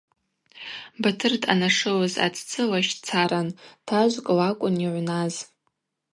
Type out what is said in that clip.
Батыр дъанашылыз атдзы лащцаран, тажвкӏ лакӏвын йыгӏвназ.